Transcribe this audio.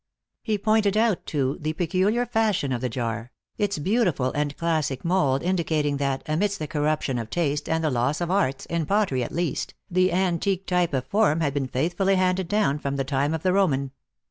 He pointed out, too, the peculiar fashion of the jar its beautiful and classic mould indicating that, amidst the corruption of taste and the loss of arts, in pottery at least, the antique type of form had been faithfully handed down from the time of the Roman.